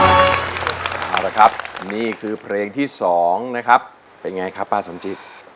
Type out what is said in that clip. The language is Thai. เอาละครับนี่คือเพลงที่๒นะครับเป็นไงครับป้าสมจิต